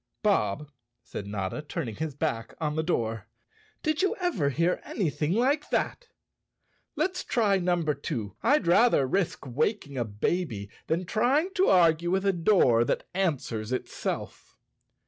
"Bob," said Notta, turning his back on the door, "did you ever hear anything like that? Let's try Number Two. I'd rather risk wakening a baby than trying to argue with a door that answers itself."